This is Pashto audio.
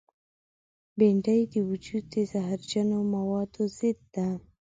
بېنډۍ د وجود د زهرجنو موادو ضد ده